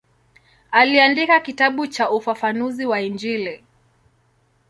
Aliandika kitabu cha ufafanuzi wa Injili.